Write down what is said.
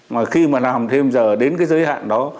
mà khi mà làm thêm giờ đến cái giới hạn đó